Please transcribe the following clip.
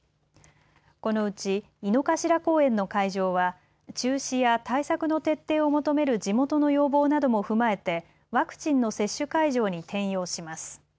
このうち井の頭公園の会場は中止や対策の徹底を求める地元の要望なども踏まえてワクチンの接種会場に転用します。